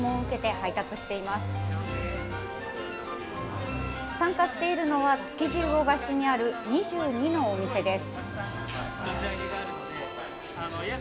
参加しているのは、築地魚河岸にある２２のお店です。